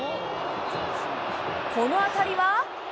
この当たりは。